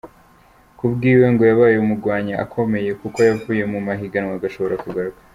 Ku bwiwe ngo yabaye umugwanyi akomeye, kuko yavuye mu mahiganwa agashobora kugaruka.